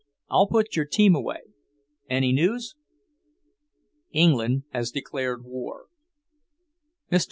I'll put your team away. Any news?" "England has declared war." Mr.